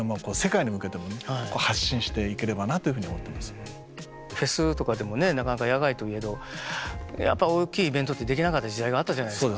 なのでその辺のフェスとかでもねなかなか野外といえどやっぱ大きいイベントってできなかった時代があったじゃないですか。